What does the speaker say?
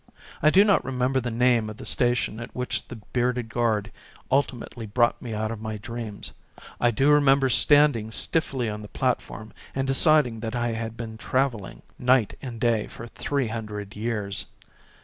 I do not remember the name of the station at which the bearded guard ulti A RAILWAY JOURNEY 15 mately brought me out of my dreams. I do remember standing stiffly on the plat form and deciding that I had been travelling night and day for three hundred years.